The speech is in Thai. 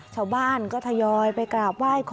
ชาวบ้านก็ทยาย้อยไปกราบว่ายขอ